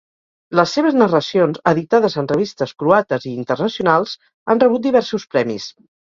Les seves narracions, editades en revistes croates i internacionals, han rebut diversos premis.